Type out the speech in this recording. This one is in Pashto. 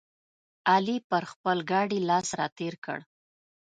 علي پر خپل ګاډي لاس راتېر کړ.